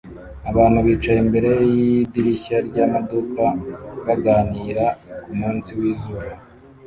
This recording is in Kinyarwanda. abantu bicaye imbere yidirishya ryamaduka baganira kumunsi wizuba